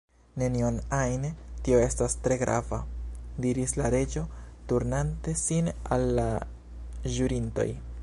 "Nenion ajn." "Tio estas tre grava," diris la Reĝo turnante sin al la ĵurintoj.